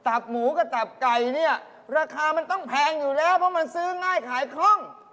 หมูกับตับไก่เนี่ยราคามันต้องแพงอยู่แล้วเพราะมันซื้อง่ายขายคล่อง